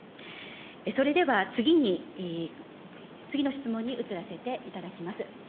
それでは次に、次の質問に移らせていただきます。